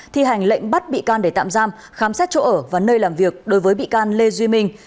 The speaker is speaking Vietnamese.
thi hành lệnh bắt bị can để tạm giam khám xét chỗ ở và nơi làm việc đối với bị can lê duy minh